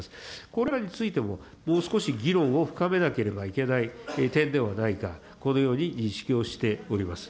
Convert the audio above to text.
これらについても、もう少し議論を深めなければいけない点ではないか、このように認識をしております。